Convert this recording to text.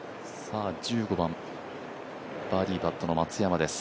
１５番、バーディーパットの松山です。